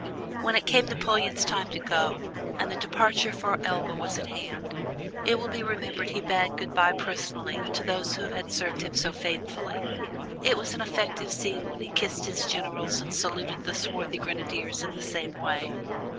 When it came Napoleon's turn to go and the departure for Elba was at hand, it will be remembered he bade good by personally to those who had served him so faithfully. It was an affecting scene when he kissed his generals and saluted the swarthy grenadiers in the same way.